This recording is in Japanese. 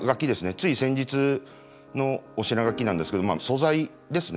つい先日のおしながきなんですけどまあ素材ですね。